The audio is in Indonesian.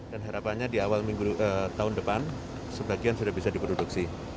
dan harapannya di awal tahun depan sebagian sudah bisa diproduksi